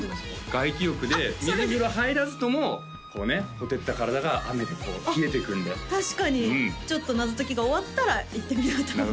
外気浴で水風呂入らずともこうね火照った体が雨で冷えていくんで確かにちょっと謎解きが終わったら行ってみようと思います